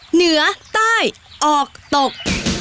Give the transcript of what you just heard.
เหนือใต้ออกตก